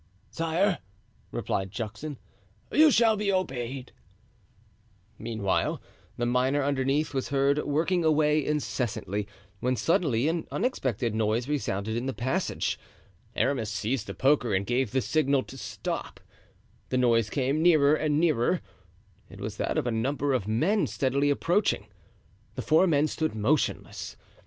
"Sire," replied Juxon, "you shall be obeyed." Meanwhile, the miner underneath was heard working away incessantly, when suddenly an unexpected noise resounded in the passage. Aramis seized the poker and gave the signal to stop; the noise came nearer and nearer. It was that of a number of men steadily approaching. The four men stood motionless.